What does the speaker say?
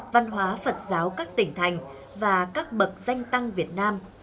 văn hóa phật giáo các tỉnh thành và các bậc danh tăng việt nam